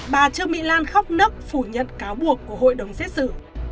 bà trương mỹ lan khóc nấc phủ nhận cáo buộc của hội đồng xét xử